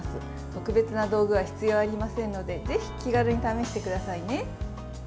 特別な道具は必要ありませんのでぜひ気軽に試してくださいね。